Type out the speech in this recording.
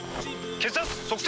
血圧測定！